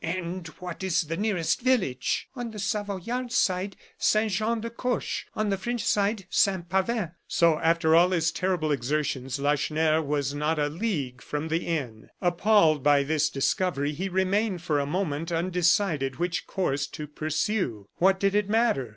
"And what is the nearest village?" "On the Savoyard side, Saint Jean de Coche; on the French side, Saint Pavin." So after all his terrible exertions, Lacheneur was not a league from the inn. Appalled by this discovery, he remained for a moment undecided which course to pursue. What did it matter?